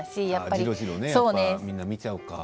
みんな見ちゃうから。